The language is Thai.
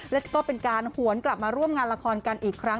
แล้วก็เป็นการหวนกลับมาร่วมงานละครกันอีกครั้ง